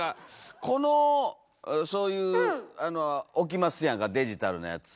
このそういう置きますやんかデジタルのやつ。